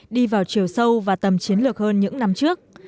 đi vào chiều sâu và tầm chiến lược hơn những năm trước